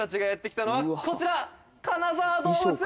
こちら！